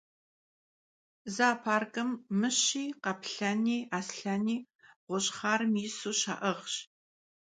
Zooparkım mışi, khaplheni, aslheni ğuş' xharım yisu şa'ığş.